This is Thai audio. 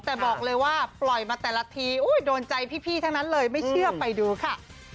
แต่บอกเลยว่าปล่อยมาแต่ละทีโดนใจพี่ทั้งนั้นเลยไม่เชื่อไปดูค่ะ